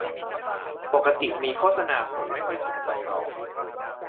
ปกติมีโฆษณาคนไม่ค่อยสนใจหรอก